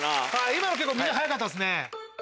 今のみんな早かったですね。